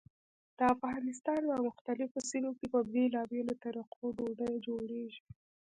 د افغانستان په مختلفو سیمو کې په بېلابېلو طریقو ډوډۍ جوړېږي.